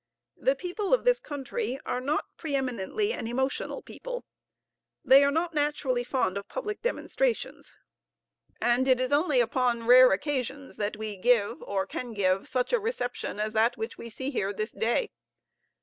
The people of this country are not pre eminently an emotional people; they are not naturally fond of public demonstrations; and it is only upon rare occasions that we give, or can give, such a reception as that we see here this day.